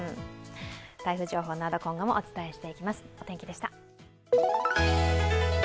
台風情報など今後もお伝えしていきます。